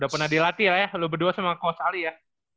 udah pernah dilatih lah ya lo berdua sama coach ali ya